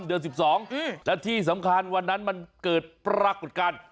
เดือน๑๒และที่สำคัญวันนั้นมันเกิดปรากฏการณ์